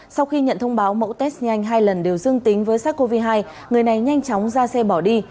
sau khi nhận thông báo mẫu test nhanh hai lần đều dương tính với sars cov hai người này nhanh chóng ra xe bỏ đi